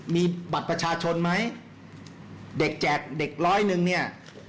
มีบัตรประชาชนไหมเด็กแจกเด็กร้อยหนึ่งเนี่ย